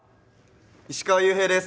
石川裕平です。